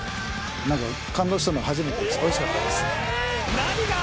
何か感動したの初めてですおいしかったです